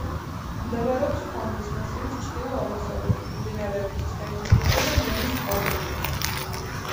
მდებარეობს ხვამლის მასივის ჩრდილო-აღმოსავლეთით, მდინარეების ცხენისწყლისა და რიონის წყალგამყოფზე.